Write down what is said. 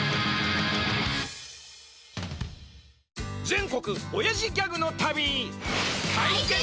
全国おやじギャグの旅！